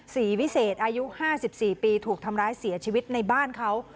สีวิเศษอายุห้าสิบสี่ปีถูกทำร้ายเสียชีวิตในบ้านเขา